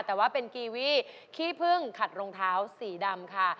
แต่ว่าเป็นกีวี่ขี้พึ่งขัดรองเท้าสีดำค่ะ